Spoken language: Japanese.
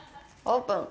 オープン。